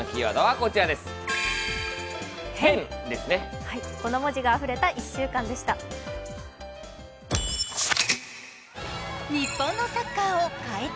この文字があふれた１週間でした。